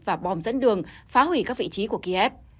và bom dẫn đường phá hủy các vị trí của kiev